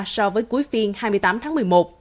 so với cuối phiên hai mươi tám tháng một mươi một